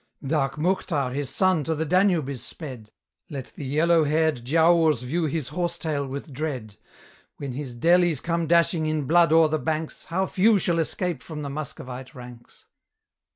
Dark Muchtar his son to the Danube is sped, Let the yellow haired Giaours view his horsetail with dread; When his Delhis come dashing in blood o'er the banks, How few shall escape from the Muscovite ranks!